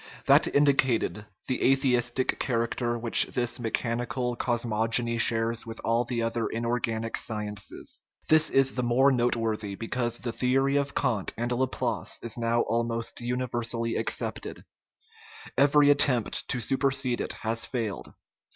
That indicated the atheistic character which this mechanical cosmogony shares with all the other inorganic sciences. This is the more noteworthy because the theory of Kant and Laplace is now almost universally accepted; every attempt to supersede it has failed.